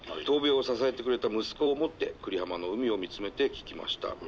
闘病を支えてくれた息子を思って久里浜の海を見つめて聴きました。